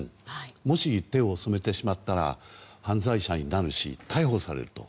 もし手を染めてしまったら犯罪者になるし逮捕されると。